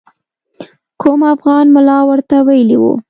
کوم افغان ملا ورته ویلي وو.